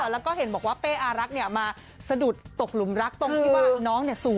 แล้วก็เห็นมาว่าเป้อารักเนี่ยมาเสดิดตกหลุมรักต้องที่ว่าน้องเนี่ยสวย